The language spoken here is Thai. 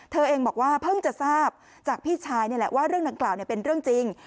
เธอเองบอกว่าเพิ่งจะทราบจากพี่ชายนี่แหละว่าเรื่องดังกล่าวเป็นเรื่องจริง